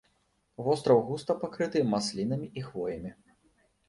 Востраў густа пакрыты маслінамі і хвоямі.